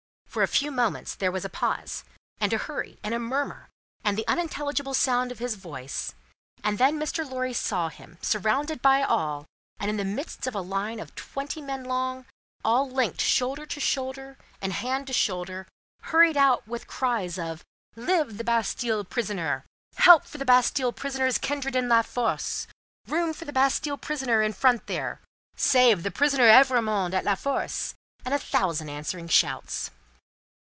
For a few moments there was a pause, and a hurry, and a murmur, and the unintelligible sound of his voice; and then Mr. Lorry saw him, surrounded by all, and in the midst of a line of twenty men long, all linked shoulder to shoulder, and hand to shoulder, hurried out with cries of "Live the Bastille prisoner! Help for the Bastille prisoner's kindred in La Force! Room for the Bastille prisoner in front there! Save the prisoner Evrémonde at La Force!" and a thousand answering shouts.